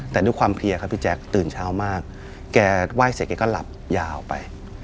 แต่ด้วยความเพลียครับพี่แจ๊คตื่นเช้ามากแกไหว้เสร็จแกก็หลับยาวไป